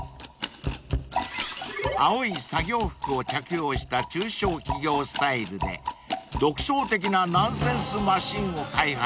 ［青い作業服を着用した中小企業スタイルで独創的なナンセンスマシーンを開発］